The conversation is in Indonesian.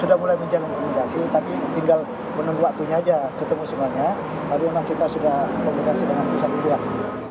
sudah berkomunikasi dengan dppp psi soal rencana relawan memajukan ks sang pangarep